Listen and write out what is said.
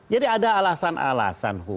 jadi ada alasan alasan